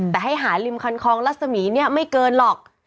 แต่ให้หาริมคันคลองรัศมีร์เนี่ยไม่เกินหรอก